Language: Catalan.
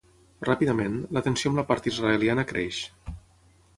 Ràpidament, la tensió amb la part israeliana creix.